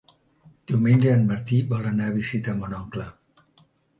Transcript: Diumenge en Martí vol anar a visitar mon oncle.